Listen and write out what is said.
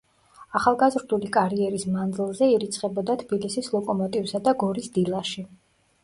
ახალგაზრდული კარიერის მანძლზე ირიცხებოდა თბილისის „ლოკომოტივსა“ და გორის „დილაში“.